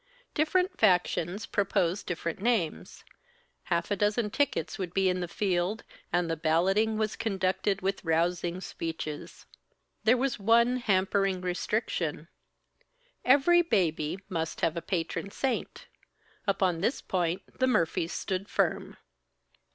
Different factions proposed different names; half a dozen tickets would be in the field, and the balloting was conducted with rousing speeches. There was one hampering restriction. Every baby must have a patron saint. Upon this point, the Murphys stood firm.